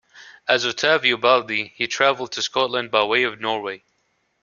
As "Ottavio Baldi" he travelled to Scotland by way of Norway.